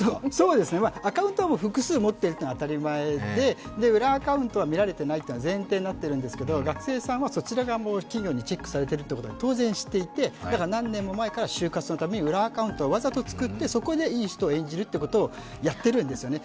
アカウントは複数持っているのは当たり前で裏アカウントは見られているというのは前提になっているんですが学生さんは、そちらを企業にチェックされていることは当然知っていて、何年も前から就活のために裏アカウントをわざと作って、そこでいい人を演じることをやっているんですよね。